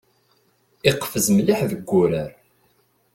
Iqfez mliḥ deg urar.